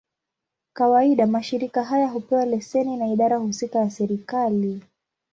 Kawaida, mashirika haya hupewa leseni na idara husika ya serikali.